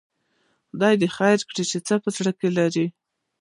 خدای دې خیر کړي، څه په زړه کې لري؟